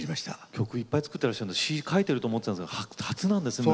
曲いっぱい作ってらっしゃるので詞書いてると思ってたんですが初なんですね